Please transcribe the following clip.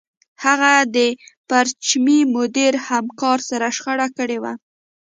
هغه د پرچمي مدیر همکار سره شخړه کړې وه